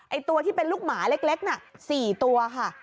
ตัวที่เป็นลูกหมาเล็กน่ะ๔ตัวค่ะ